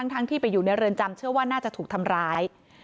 ทั้งที่ไปอยู่ในเรือนจำเชื่อว่าน่าจะถูกทำร้าย